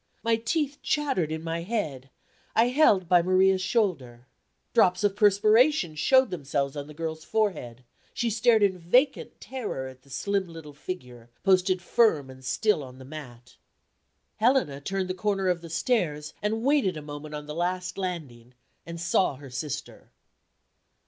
My teeth chattered in my head; I held by Maria's shoulder. Drops of perspiration showed themselves on the girl's forehead; she stared in vacant terror at the slim little figure, posted firm and still on the mat. Helena turned the corner of the stairs, and waited a moment on the last landing, and saw her sister.